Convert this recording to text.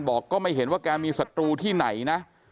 ก็ไม่เห็นว่าแกมีศัตรูที่ไหนนะ